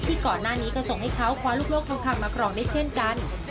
ก่อนหน้านี้ก็ส่งให้เขาคว้าลูกโลกทองคำมาครองได้เช่นกัน